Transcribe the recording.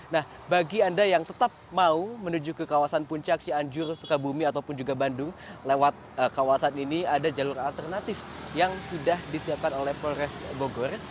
nah bagi anda yang tetap mau menuju ke kawasan puncak cianjur sukabumi ataupun juga bandung lewat kawasan ini ada jalur alternatif yang sudah disiapkan oleh polres bogor